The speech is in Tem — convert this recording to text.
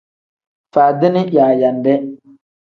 Faadini yaayande.